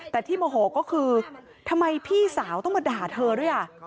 แต่ที่โมโหก็คือทำไมพี่สาวต้องมาด่าเธอด้วย